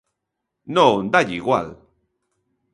Non, dálle igual.